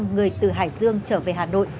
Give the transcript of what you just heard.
người từ hải dương trở về hà nội